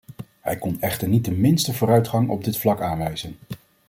Hij kon echter niet de minste vooruitgang op dit vlak aanwijzen.